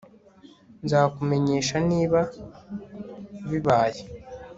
Nzakumenyesha niba bibaye